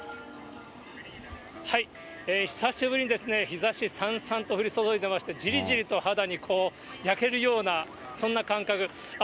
久しぶりに日ざし、さんさんと降り注いでいまして、じりじりと肌に焼けるような、そんな感覚。